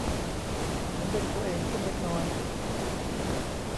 ฉันดึงตัวเองขึ้นเล็กน้อย